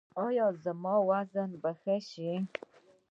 ایا زما وزن به ښه شي؟